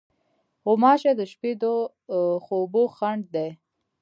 غوماشې د شپې د خوبو خنډ دي.